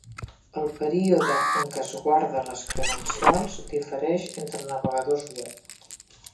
El període en què es guarda les credencials difereix entre navegadors web.